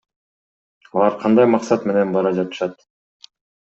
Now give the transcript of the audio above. Алар кандай максат менен бара жатышат?